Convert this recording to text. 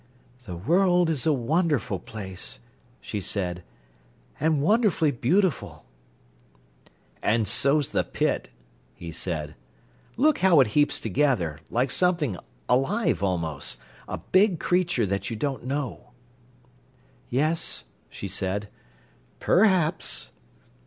"The world is a wonderful place," she said, "and wonderfully beautiful." "And so's the pit," he said. "Look how it heaps together, like something alive almost—a big creature that you don't know." "Yes," she said. "Perhaps!"